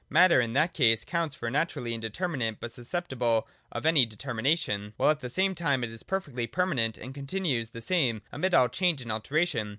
Matter in that case counts for naturally indeterminate, but susceptible of any determination; while at the same time it is perfectly permanent, and continues the same amid all change and alteration.